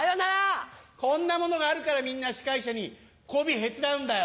こんな物があるからみんな司会者にこびへつらうんだよ。